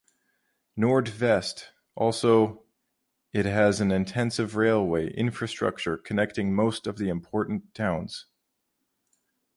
Nord-Vest also it has an extensive railway infrastructure connecting most of the important towns.